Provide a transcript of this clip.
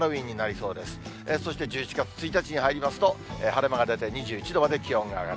そして１１月１日に入りますと、晴れ間が出て、２１度まで気温が上がる。